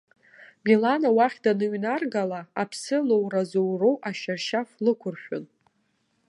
Милана уахь даныҩнаргала, аԥсы лоуразоуроу ашьаршьаф лықәыршәын.